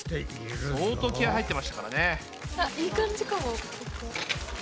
相当気合い入ってましたからね。